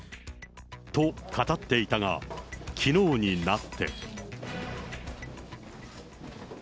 と語っていたが、きのうになって。